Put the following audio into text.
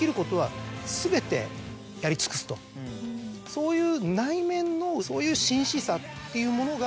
そういう。